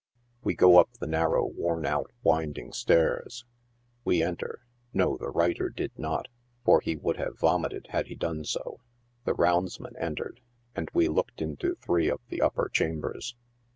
We go up the narrow, worn out, winding stairs. We enter — no, the writer did not, for he would have vomited had he done so — the roundsman entered, and we looked into three of the upper cham bers.